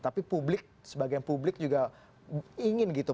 tapi publik sebagian publik juga ingin gitu